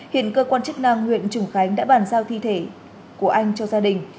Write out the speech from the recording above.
hiện cơ quan chức năng huyện trùng khánh đã bàn giao thi thể của anh cho gia đình